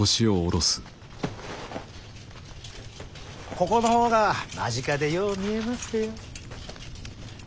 ここの方が間近でよう見えますでよ。